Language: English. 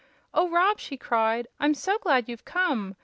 "Oh, Rob!" she cried, "I'm so glad you've come.